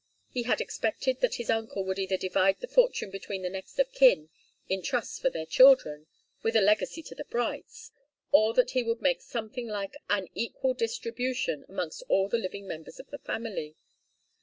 He had expected that his uncle would either divide the fortune between the next of kin, in trusts for their children, with a legacy to the Brights, or that he would make something like an equal distribution amongst all the living members of the family.